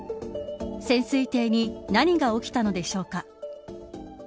潜水艇に何が起きたのでしょうか。